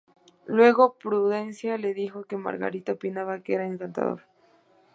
Luego Prudencia le dijo que Margarita opinaba que era encantador.